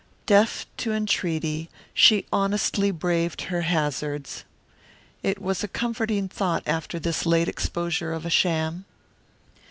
Deaf to entreaty, she honestly braved her hazards. It was a comforting thought after this late exposure of a sham.